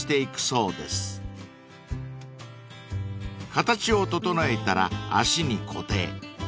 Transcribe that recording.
［形を整えたら足に固定］